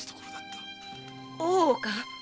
大岡？